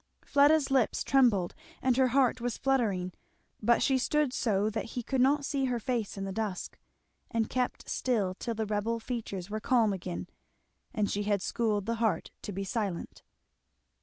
Fleda's lip trembled and her heart was fluttering, but she stood so that he could not see her face in the dusk, and kept still till the rebel features were calm again and she had schooled the heart to be silent.